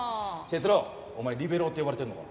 哲郎お前リベロウって呼ばれてんのか？